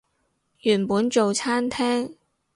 原本做餐廳